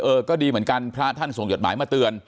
เออก็ดีเหมือนกันพระท่านส่งจดหมายมาเตือน